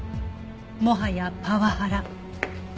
「もはやパワハラ」